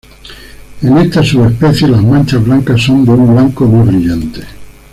En esta subespecie las manchas blancas son de un blanco más brillante.